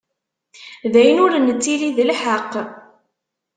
D ayen ur nettili d lḥeqq.